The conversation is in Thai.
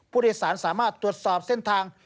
ผู้โดยสารสามารถตรวจสอบเส้นทาง